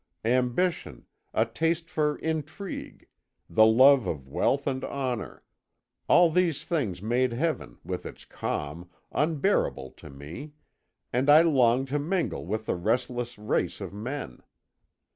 Ambition, a taste for intrigue, the love of wealth and honour, all these things made Heaven, with its calm, unbearable to me, and I longed to mingle with the restless race of men.